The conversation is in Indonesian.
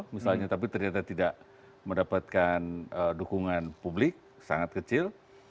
misalnya tapi ternyata tidak mendapatkan dukungan publik sangat kecil